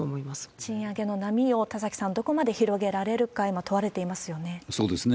賃上げの波を、田崎さん、どこまで広げられるか問われていますよね。